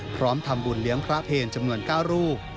พร้อมทำบุญเลี้ยงพระเพลจำนวน๙รูป